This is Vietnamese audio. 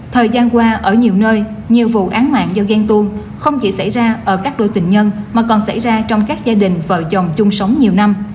thời gian qua ở nhiều nơi nhiều vụ án mạng do ghen tuôn không chỉ xảy ra ở các đội tình nhân mà còn xảy ra trong các gia đình vợ chồng chung sống nhiều năm